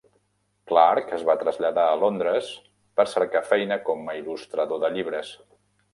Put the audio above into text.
Clarke es va traslladar a Londres per cercar feina com il·lustrador de llibres.